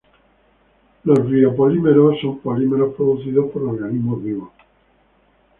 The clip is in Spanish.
Los biopolímeros son polímeros producidos por organismos vivos.